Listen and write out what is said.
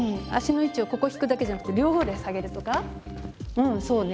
うんそうね。